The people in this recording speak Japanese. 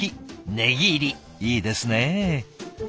ねぎ入りいいですね。